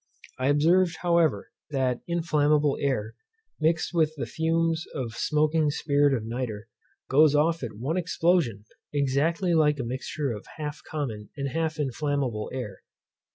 I observed, however, that inflammable air, mixed with the fumes of smoking spirit of nitre, goes off at one explosion, exactly like a mixture of half common and half inflammable air.